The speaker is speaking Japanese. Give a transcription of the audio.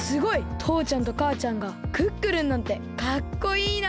とうちゃんとかあちゃんがクックルンなんてかっこいいな！